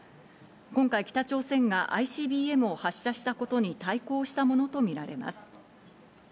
今回、北朝鮮がＩＣＢＭを発射したことに対抗したものと見られます。